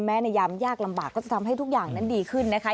ในยามยากลำบากก็จะทำให้ทุกอย่างนั้นดีขึ้นนะคะ